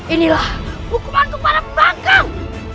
inilah hukumanku pada pembangkang